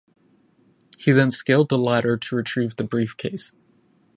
He then scaled the ladder to retrieve the briefcase.